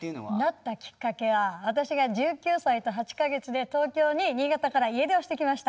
なったきっかけは私が１９歳と８か月で東京に新潟から家出をしてきました。